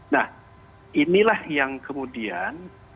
nah inilah yang kemudian